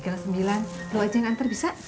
kalau aja yang antar bisa